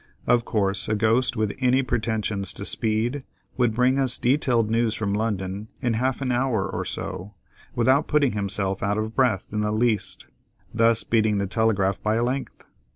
Of course a ghost with any pretensions to speed would bring us detailed news from London in half an hour or so, without putting himself out of breath in the least, thus beating the telegraph by a length.